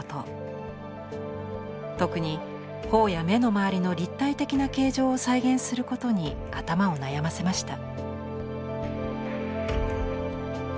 特に頬や目のまわりの立体的な形状を再現することに頭を悩ませました。